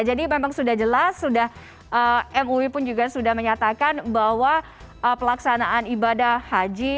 jadi memang sudah jelas mui pun juga sudah menyatakan bahwa pelaksanaan ibadah haji